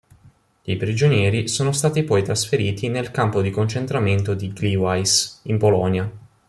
I prigionieri sono stati poi trasferiti nel campo di concentramento di Gliwice, in Polonia.